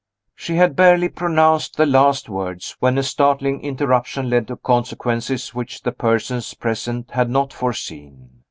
She had barely pronounced the last words, when a startling interruption led to consequences which the persons present had not foreseen.